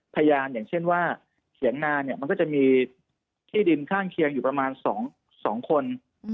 พยานอย่างเช่นว่าเถียงนาเนี่ยมันก็จะมีที่ดินข้างเคียงอยู่ประมาณ๒คน